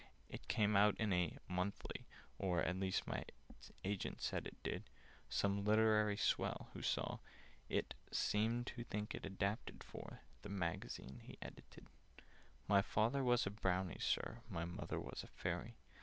"It came out in a 'Monthly,' or At least my agent said it did: Some literary swell, who saw It, thought it seemed adapted for The Magazine he edited. "My father was a Brownie, Sir; My mother was a Fairy.